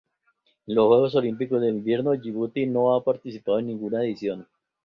En los Juegos Olímpicos de Invierno Yibuti no ha participado en ninguna edición.